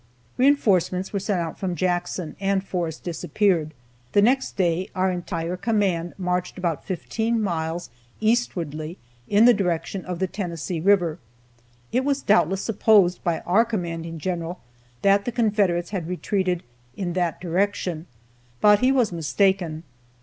Reinforcements were sent out from Jackson, and Forrest disappeared. The next day our entire command marched about fifteen miles eastwardly in the direction of the Tennessee river. It was doubtless supposed by our commanding general that the Confederates had retreated in that direction, but he was mistaken.